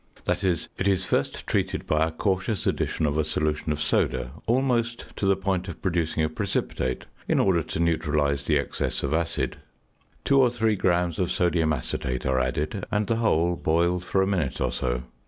That is, it is first treated by a cautious addition of a solution of soda, almost to the point of producing a precipitate, in order to neutralise the excess of acid; 2 or 3 grams of sodium acetate are added, and the whole boiled for a minute or so.